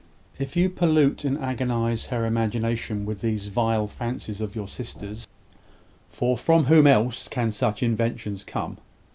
If you pollute and agonise her imagination with these vile fancies of your sister's, (for from whom else can such inventions come?)